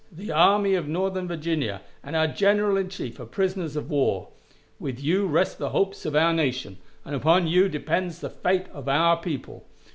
The Army of Northern Virginia and our General in Chief are prisoners of war. With you rest the hopes of our nation, and upon you depends the fate of our people.